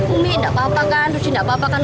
umi gak apa apa kan uci gak apa apa kan